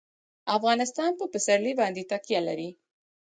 افغانستان په پسرلی باندې تکیه لري.